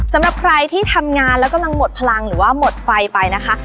สำหรับใครที่ทำงานแล้วกำลังหมดพลังหรือว่าหมดไฟไปนะคะ